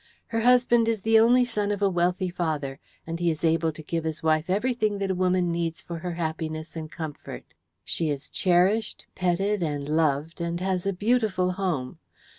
Her husband is the only son of a wealthy father, and he is able to give his wife everything that a woman needs for her happiness and comfort. She is cherished, petted, and loved, and has a beautiful home.